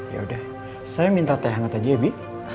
yaudah saya minta teh hangat aja ebi